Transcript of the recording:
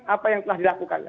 apa yang telah dilakukan